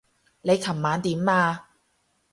你琴晚點啊？